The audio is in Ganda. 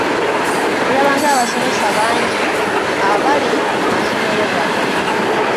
Tulaba ng’abasomesa bangi abali mu masomero gano.